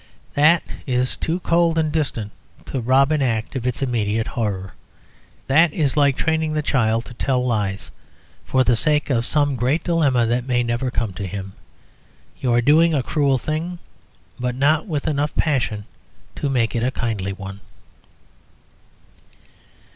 That is too cold and distant to rob an act of its immediate horror. That is like training the child to tell lies for the sake of some great dilemma that may never come to him. You are doing a cruel thing, but not with enough passion to make it a kindly one.